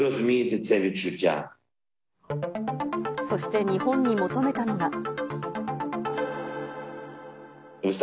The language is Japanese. そして、日本に求めたのが。